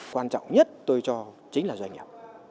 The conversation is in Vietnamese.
quan trọng nhất tôi cho chính là doanh nghiệp